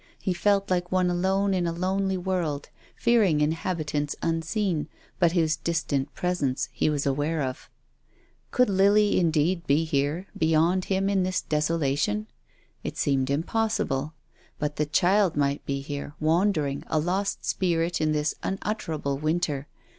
He felt like one alone in a lonely world, fearing inhabitants unseen, but whose dis tant presence he was aware of. Could Lily indeed be here, beyond him in this desolation ? It THE LIVING CHILD. 261 seemed impossible. But the child might be here, wandering, a lost spirit, in this unutterable winter.